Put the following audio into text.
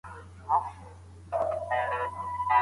د بودیجې ویش څنګه ترسره کیږي؟